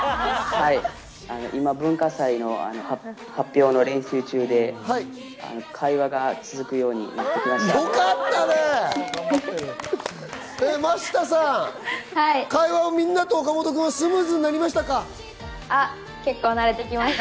文化祭の発表の練習中で、会話が続くようになってきました。